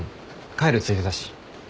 帰るついでだし。